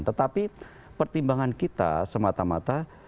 tetapi pertimbangan kita semata mata